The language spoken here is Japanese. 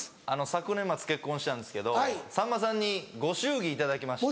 昨年末結婚したんですけどさんまさんにご祝儀頂きまして。